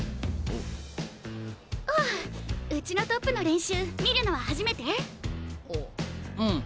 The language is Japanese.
ああうちのトップの練習見るのは初めて？あうん。